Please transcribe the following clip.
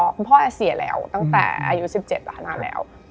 คุณพ่อเสียแล้วตั้งแต่อายุ๑๗แล้วนานแล้ว